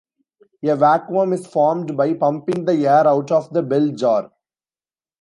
A vacuum is formed by pumping the air out of the bell jar.